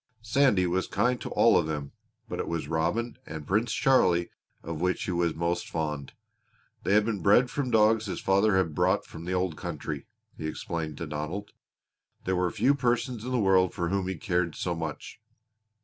Sandy was kind to all of them, but it was Robin and Prince Charlie of which he was most fond. They had been bred from dogs his father had brought from the Old Country, he explained to Donald. There were few persons in the world for whom he cared so much.